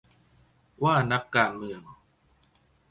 ว่านักการเมือง